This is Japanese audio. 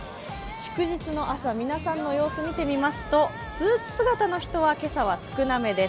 祝日の朝、皆さんの様子を見てみますと、スーツ姿の人は今朝は少なめです。